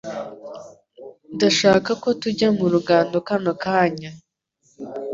ndashaka ko tujya mu rugando kano kanya